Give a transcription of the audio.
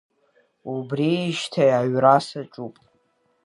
Убриижьҭеи аҩра саҿуп.